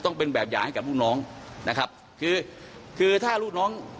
ต้องเป็นแบบอย่างให้กับลูกน้องนะครับคือคือถ้าลูกน้อง